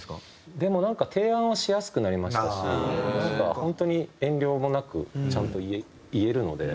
でもなんか提案はしやすくなりましたしなんか本当に遠慮もなくちゃんと言えるので。